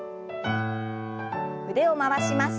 腕を回します。